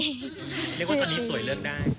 เรียกว่าตอนนี้สวยเลือกได้